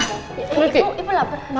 itu itu lapar